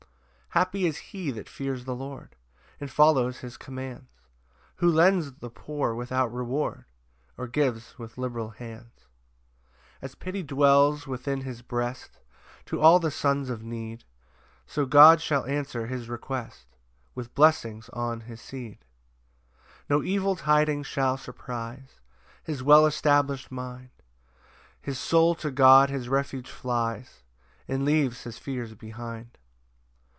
1 Happy is he that fears the Lord, And follows his commands, Who lends the poor without reward, Or gives with liberal hands. 2 As pity dwells within his breast To all the sons of need; So God shall answer his request With blessings on his seed, 3 No evil tidings shall surprise His well establish'd mind; His soul to God his refuge flies, And leaves his fears behind.